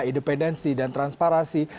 independensi dan transparansi